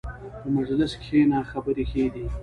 په مجلس کښېنه، خبرې ښې دي.